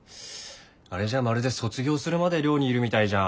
あれじゃまるで卒業するまで寮にいるみたいじゃん。